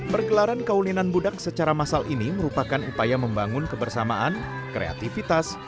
pergelaran kaulinan budak secara massal ini merupakan upaya membangun kebersamaan kreativitas